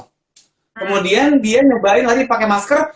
kemudian dia nyobain lari pakai masker